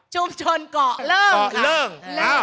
ชุมชนเกาะเริ่มค่ะ